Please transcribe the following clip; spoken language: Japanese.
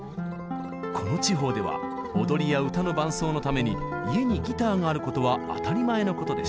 この地方では踊りや歌の伴奏のために家にギターがあることは当たり前のことでした。